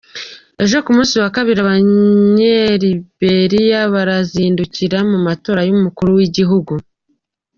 Ejo ku musi wa kabiri, Abanyeliberiya barazindukira mu matora y’umukuru w’igihugu.